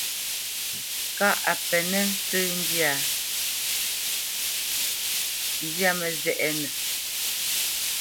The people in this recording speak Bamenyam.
Kâʼ a penə́ tsəndyâ, nzyá mə́zɛʼnə.